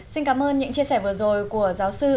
xin cảm ơn những chia sẻ vừa rồi của giáo sư